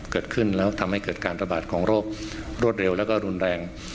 เกิดขึ้นแล้วทำให้เกิดการระบาดของโรครวดเร็วแล้วก็รุนแรง